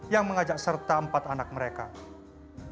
yang mengajak serta empat orang yang berpengalaman